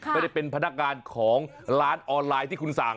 ไม่ได้เป็นพนักงานของร้านออนไลน์ที่คุณสั่ง